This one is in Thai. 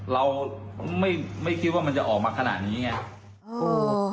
เราไม่คิดว่ามันจะออกมาขนาดนี้ไง